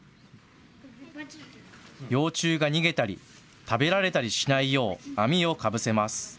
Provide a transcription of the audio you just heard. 幼虫が逃げたり、食べられたりしないよう網をかぶせます。